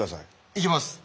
いきます。